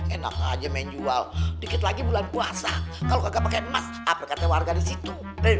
enak aja menjual dikit lagi bulan puasa kalau enggak pakai mas apakah warga di situ